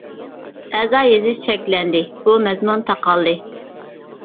ئەزا يېزىش چەكلەندى، بۇ مەزمۇن تاقالدى!